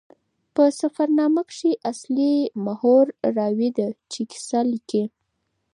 په سفرنامه کښي اصلي محور راوي ده، چي کیسه لیکي.